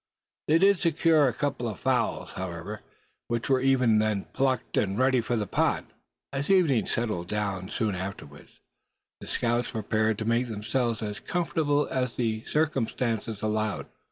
They did secure a couple of fowls, however, which were even then plucked, and ready for the pot. As evening settled down soon afterward, the scouts prepared to make themselves as comfortable as the circumstances allowed.